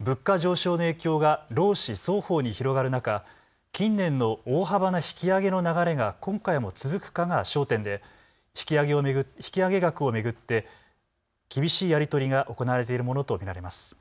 物価上昇の影響が労使双方に広がる中、近年の大幅な引き上げの流れが今回も続くかが焦点で引き上げ額を巡って厳しいやり取りが行われているものと見られます。